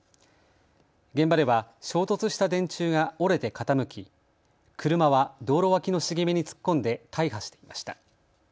現場では衝突した電柱が折れて傾き車は道路脇の茂みに突っ込んで大破していました。